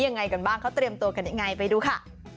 ยังไงกันบ้างเขาเตรียมตัวกันยังไงไปดูค่ะ